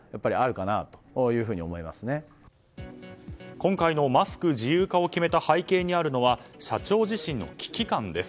今回のマスク自由化を決めた背景にあるのは社長自身の危機感です。